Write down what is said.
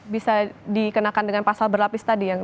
bisa dikenakan dengan pasal berlapis tadi yang